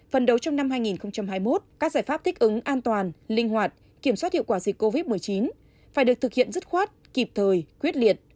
phần đấu trong năm hai nghìn hai mươi một các giải pháp thích ứng an toàn linh hoạt kiểm soát hiệu quả dịch covid một mươi chín phải được thực hiện dứt khoát kịp thời quyết liệt